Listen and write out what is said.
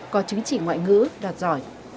có chứng chỉ ngoại ngữ đạt giỏi